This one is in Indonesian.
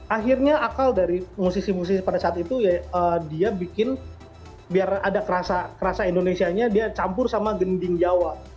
akhirnya akal dari musisi musisi pada saat itu ya dia bikin biar ada rasa indonesianya dia campur sama gending jawa